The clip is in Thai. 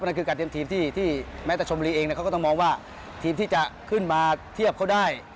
นั่นคือการเตรียมทีมที่แม้แต่ชมรีเองเขาก็ต้องมองว่าทีมที่จะขึ้นมาเทียบเขาได้